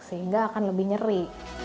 sehingga akan lebih nyeri